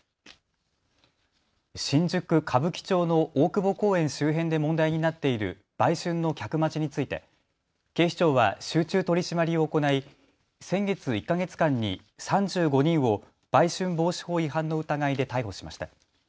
新宿区歌舞伎町の大久保公園周辺で問題になっている売春の客待ちについて警視庁は集中取締りを行い先月１か月間に３５人を売春防止法違反の疑いで逮捕しました。